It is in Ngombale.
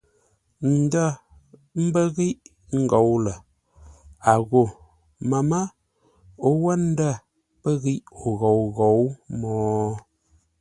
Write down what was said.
Ndə̂ pə́ ghíʼ ngôu lə̂, a ghô məmə́ o wə́ ndə̂ pə́ ghíʼ o ghôu ghǒu mo?